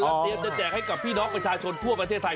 เตรียมจะแจกให้กับพี่น้องประชาชนทั่วประเทศไทย